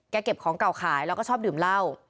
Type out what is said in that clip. เก็บของเก่าขายแล้วก็ชอบดื่มเหล้า